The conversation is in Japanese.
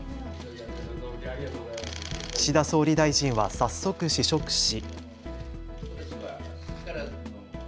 岸田総理大臣は早速、試食し。